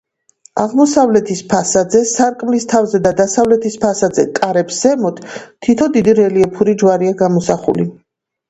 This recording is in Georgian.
აღმოსავლეთის ფასადზე, სარკმლის თავზე და დასავლეთის ფასადზე კარებს ზემოთ თითო დიდი რელიეფური ჯვარია გამოსახული.